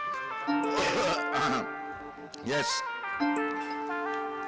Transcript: assalamualaikum warahmatullahi wabarakatuh